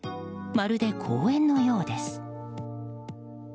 まるで公園のようです。